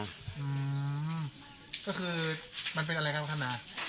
ก็คือมันเป็นอะไรครับคันนา